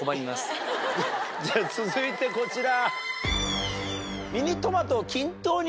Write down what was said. じゃ続いてこちら。